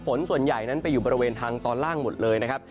ฝนส่วนใหญ่นั้นไปอยู่บริเวณทางตอนล่างหมดเลยนะครับ